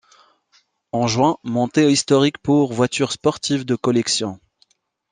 En juin, montée historique pour voitures sportives de collection.